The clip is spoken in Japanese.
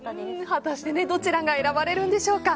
果たしてどちらが選ばれるんでしょうか。